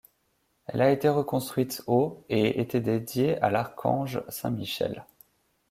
Elle a été reconstruite au et était dédiée à l'archange saint Michel.